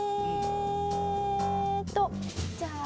えーっとじゃあ。